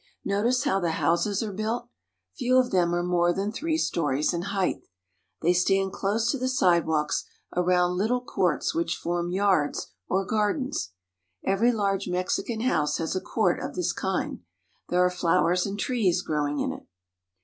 Notice how the houses are built. Few of them are more than three stories in height. They stand close to ^>"^~ ^~^^_ig^=. _ General View of the City of Mexico. the sidewalks, around little courts which form yards or gardens. Every large Mexican house has a court of this kind. There are flowers and trees growing in it.